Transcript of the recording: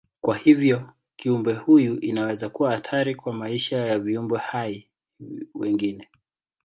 Kwa hivyo kiumbe huyu inaweza kuwa hatari kwa maisha ya viumbe hai wengine.